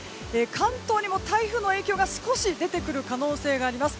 関東にも台風の影響が少し出てくる可能性があります。